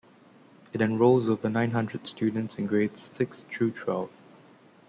It enrolls over nine hundred students in grades six through twelve.